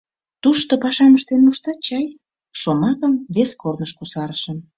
Тушто пашам ыштен моштат чай? — шомакым вес корныш кусарышым.